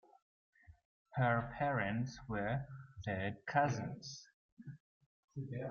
Her parents were third cousins.